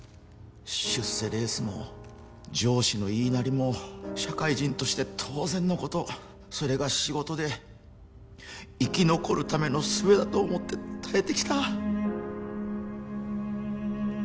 出世レースも上司の言いなりも社会人として当然のことそれが仕事で生き残るためのすべだと思って耐えてきた